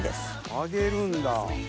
揚げるんだ。